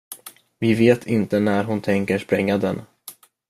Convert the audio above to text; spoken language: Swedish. Vi vet inte när hon tänker spränga den.